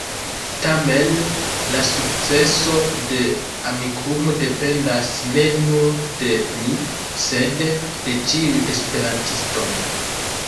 Tamen, la sukceso de Amikumu dependas ne nur de ni, sed de ĉiuj esperantistoj.